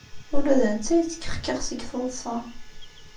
Ula d netta yettkexkix seg teḍsa.